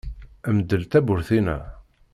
Mdel tawwurt-inna!